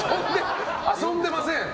遊んでません！